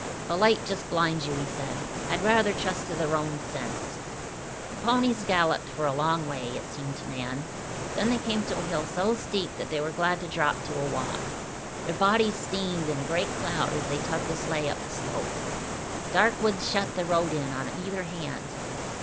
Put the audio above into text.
"A light just blinds you," he said. "I'd rather trust to the roans' sense." The ponies galloped for a long way, it seemed to Nan; then they came to a hill so steep that they were glad to drop to a walk. Their bodies steamed in a great cloud as they tugged the sleigh up the slope. Dark woods shut the road in on either hand.